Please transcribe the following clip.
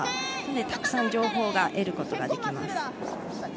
それでたくさん情報を得ることができます。